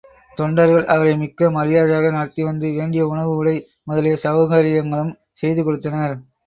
தொண்டர்கள் அவரை மிக்க மரியாதையாக நடத்திவந்து வேண்டிய உணவு, உடை முதலிய சௌகரியங்களும் செய்து கொடுத்தனர்.